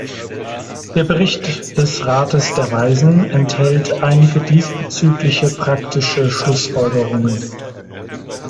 Der Bericht des Rates der Weisen enthält einige diesbezügliche praktische Schlussfolgerungen.